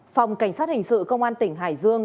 phòng cảnh sát hình sự công an tỉnh hải dương